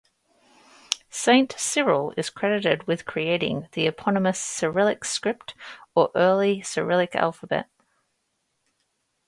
Saint Cyril is credited with creating the eponymous Cyrillic script or Early Cyrillic alphabet.